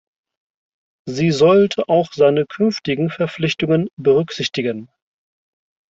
Sie sollte auch seine künftigen Verpflichtungen berücksichtigen.